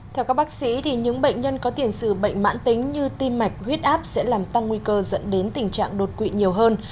theo các bác sĩ những bệnh nhân có tiền sự bệnh mãn tính như tim mạch huyết áp sẽ làm tăng nguy cơ dẫn đến tình trạng đột quỵ nhiều hơn